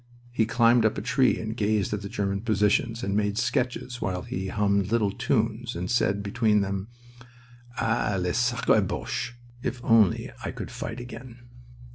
He climbed up a tree and gazed at the German positions, and made sketches while he hummed little tunes and said between them, "Ah, les sacres Boches!.. . If only I could fight again!"